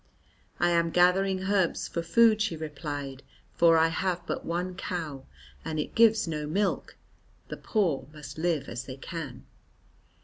"I am gathering herbs for food," she replied, "for I have but one cow and it gives no milk; the poor must live as they can."